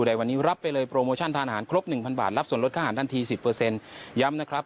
เอาเลยครับได้เลยครับ